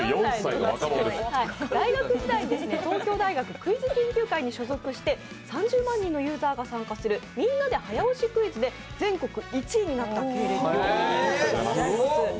大学時代に東京大学クイズ研究会に参加して３０万人のユーザーが参加する、「みんなで早押しクイズ」で全国１位になった経歴があります。